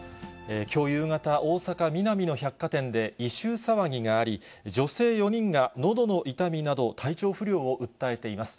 きょう夕方、大阪・ミナミの百貨店で異臭騒ぎがあり、女性４人がのどの痛みなど、体調不良を訴えていています。